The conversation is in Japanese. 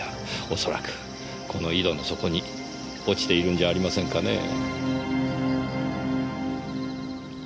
おそらくこの井戸の底に落ちているんじゃありませんかねぇ。